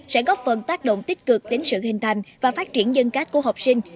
sẽ góp phần tác động tích cực đến sự hình thành và phát triển nhân cách của học sinh